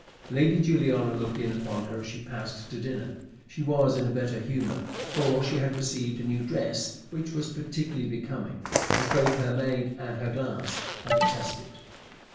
Lady Juliana looked in upon her as she passed to dinner. She was in a better humour, for she had received a new dress which was particularly becoming, as both her maid and her glass had attested.